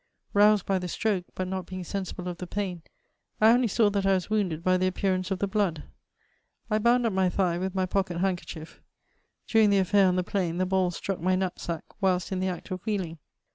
Roused by the stroke, but not being sensible of the pain, I only saw that I was wounded by the appearance of the blood. I bound up my thigh with my pocket handkerchief. During the affair on the plain, the balls struck my knapsack whilst in the act of wheeling.